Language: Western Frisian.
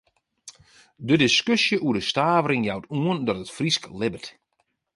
De diskusje oer de stavering jout oan dat it Frysk libbet.